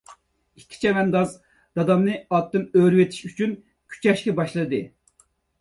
ئىككى چەۋەنداز دادامنى ئاتتىن ئۆرۈۋېتىش ئۈچۈن كۈچەشكە باشلىدى.